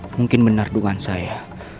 mungkin benar duan saya